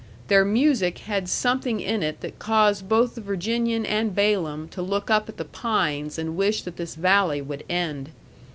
Their music had something in it that caused both the Virginian and Balaam to look up at the pines and wish that this valley would end.